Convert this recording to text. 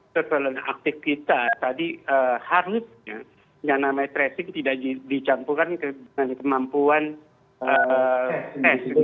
surveillance aktif kita tadi harusnya yang namanya tracing tidak dicampurkan dengan kemampuan tes